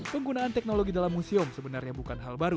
penggunaan teknologi dalam museum sebenarnya bukan hal baru